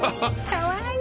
かわいい。